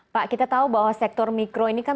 pak kita tahu bahwa sektor mikro ini kan